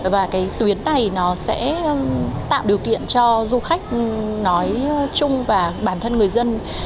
và cái tuyến này nó sẽ tạo điều kiện cho du khách nói chung và bản thân người dân